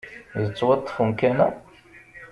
Yettwaṭṭef umkan-a?